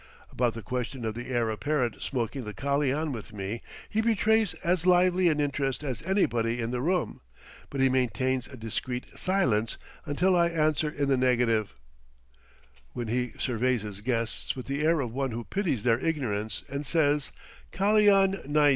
About the question of the Heir Apparent smoking the kalian with me he betrays as lively an interest as anybody in the room, but he maintains a discreet silence until I answer in the negative, when he surveys his guests with the air of one who pities their ignorance, and says, "Kalian neis."